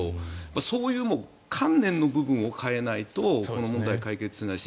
そういう観念の部分を変えないとこの問題は解決しないし。